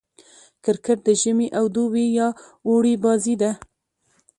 کرکټ د ژمي او دوبي يا اوړي بازي ده.